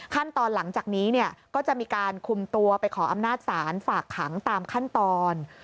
หลังจากนี้เนี่ยก็จะมีการคุมตัวไปขออำนาจศาลฝากขังตามขั้นตอน